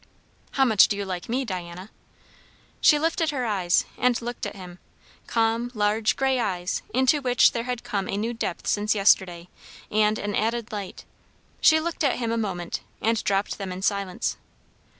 "How much do you like me, Diana?" She lifted her eyes and looked at him; calm, large, grey eyes, into which there had come a new depth since yesterday and an added light. She looked at him a moment, and dropped them in silence.